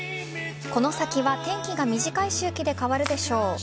この先は天気が短い周期で変わるでしょう。